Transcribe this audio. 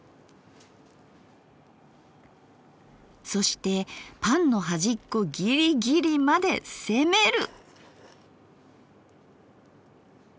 そしてパンの端っこぎりぎりまで攻める！